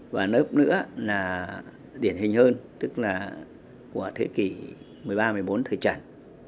và lớp nữa là điển hình hơn tức là của thế kỷ một mươi ba một mươi bốn thời trần